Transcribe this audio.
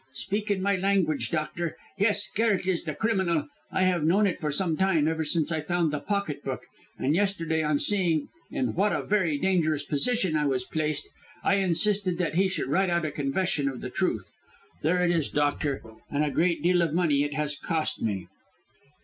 "Speak in my language, doctor. Yes, Garret is the criminal. I have known it for some time, ever since I found the pocket book, and yesterday, on seeing in what a very dangerous position I was placed, I insisted that he should write out a confession of the truth. There it is, doctor; and a great deal of money it has cost me."